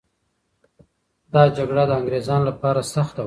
دا جګړه د انګریزانو لپاره سخته وه.